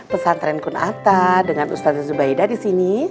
pesantren kunata dengan ustazah zubaida disini